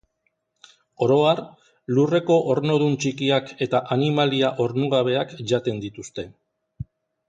Oro har, lurreko ornodun txikiak eta animalia ornogabeak jaten dituzte.